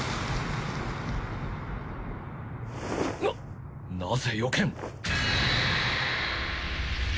ななぜよけん